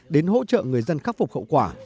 đến hỗ trợ người dân khắc phục hậu quả